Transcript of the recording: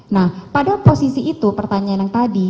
nah pada posisi itu pertanyaan yang tadi